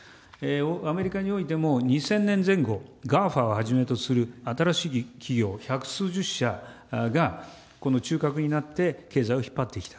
アメリカにおいても、２０００年前後、ＧＡＦＡをはじめとする新しい企業百数十社が中核になって、経済を引っ張ってきた。